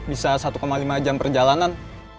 bisa satu lima jam perjalanan